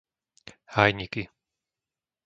Hájniky